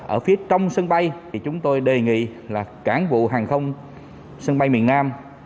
ở phía trong sân bay thì chúng tôi đề nghị là cảng vụ hàng không sân bay miền nam